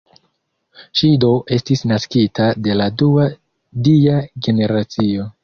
Ŝi do estis naskita de la dua dia generacio.